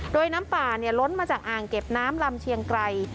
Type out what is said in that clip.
โดยน้ำป่าล้นมาจากอ่างเก็บน้ำลำเชียงไกร